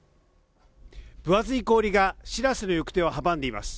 分厚い氷がしらせの行方を阻んでいます。